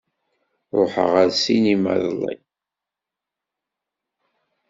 Ruḥeɣ ar ssinima iḍelli.